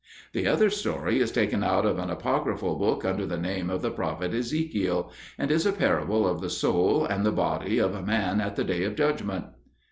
The other short story is taken out of an apocryphal book under the name of the prophet Ezekiel, and is a parable of the soul and the body of man at the day of judgment.